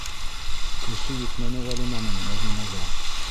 Көсө етмәне Ғәлимәнең Мәҙинәгә.